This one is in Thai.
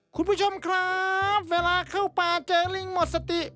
คุณผู้ชมครับเวลาเข้าป่าเจอลิงหมดสติ